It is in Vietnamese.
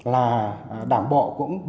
có những trường hợp